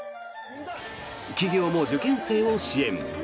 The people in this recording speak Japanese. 企業も受験生を支援。